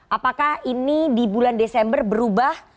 apakah ini di bulan desember berubah